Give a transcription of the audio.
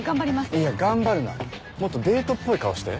いや頑張るなもっとデートっぽい顔して。